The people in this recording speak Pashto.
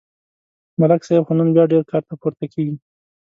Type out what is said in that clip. ملک صاحب خو نن بیا ډېر کار ته پورته کېږي